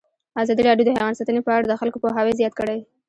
ازادي راډیو د حیوان ساتنه په اړه د خلکو پوهاوی زیات کړی.